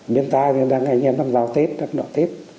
nhưng ta đang anh em đang vào tết đang đón tết